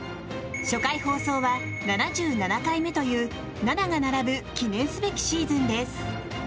初回放送は７７回目という７が並ぶ記念すべきシーズンです。